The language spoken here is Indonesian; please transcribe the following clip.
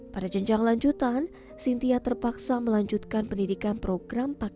pada jenjang lanjutan cynthia terpaksa melanjutkan pendidikan program paket c